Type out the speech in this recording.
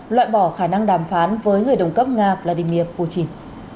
loại bỏ khả năng đàm phán với người đồng cấp nga vladimir putin